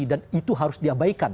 dan itu harus diabaikan